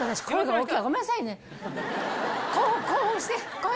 ごめんなさいね。